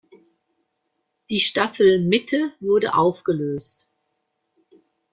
Die Staffel Mitte wurde aufgelöst.